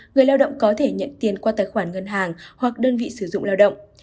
người lao động có thể nhận tiền qua tài khoản ngân hàng hoặc đơn vị sử dụng lao động